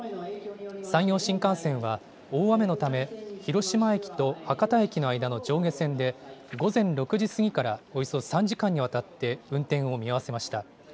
山陽新幹線は、大雨のため広島駅と博多駅の間の上下線で午前６時過ぎからおよそ３時間にわたって運転を見合わせました。